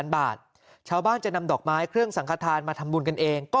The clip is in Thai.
บาทชาวบ้านจะนำดอกไม้เครื่องสังขทานมาทำบุญกันเองก็